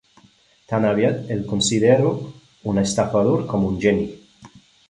Tan aviat el considero un estafador com un geni.